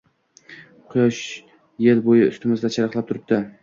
Quyosh yil bo‘yi ustimizda charaqlab turibdi.